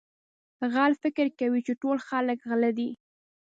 غل فکر کوي چې ټول خلک غله دي.